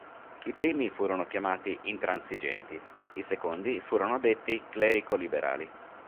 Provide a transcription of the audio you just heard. I primi furono chiamati "intransigenti", i secondi furono detti "clerico-liberali".